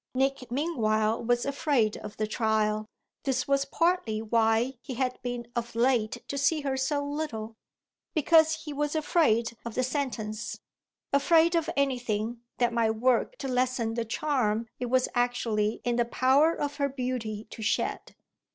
Nick meanwhile was afraid of the trial this was partly why he had been of late to see her so little because he was afraid of the sentence, afraid of anything that might work to lessen the charm it was actually in the power of her beauty to shed.